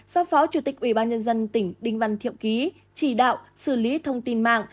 do phó chủ tịch ủy ban nhân dân tỉnh đinh văn thiện ký chỉ đạo xử lý thông tin mạng